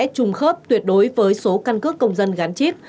và sẽ trùng khớp tuyệt đối với số căn cước công dân gắn chip